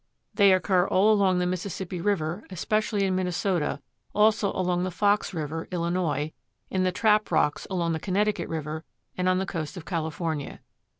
They occur all along the Mississippi River, especially in Minnesota, also along the Fox River, Illinois, in the trap rocks along the Connecticut River, and on the coast of California.